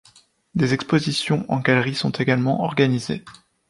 Des expositions en galeries sont également organisées.